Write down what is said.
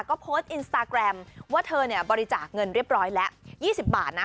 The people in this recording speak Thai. ก็โพสต์อินสตาแกรมว่าเธอเนี่ยบริจาคเงินเรียบร้อยแล้ว๒๐บาทนะ